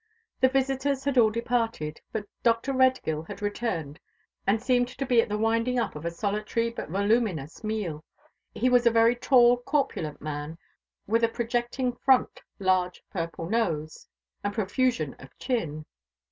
The visitors had all departed, but Dr. Redgill had returned and seemed to be at the winding up of a solitary but voluminous meal. He was a very tall corpulent man, with a projecting front, large purple nose, and a profusion of chin.